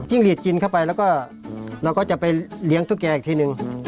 จิ้งลีดจิ้นเข้าไปแล้วก็จะไปเลี้ยงตุ๊กแก่อีกทีหนึ่ง